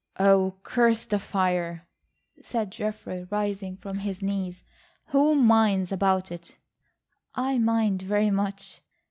"Oh, curse the fire," said Geoffrey rising from his knees. "Who minds about it?" "I mind very much."